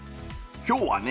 今日はね